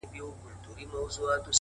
د پوهې تنده انسان مخته بیايي؛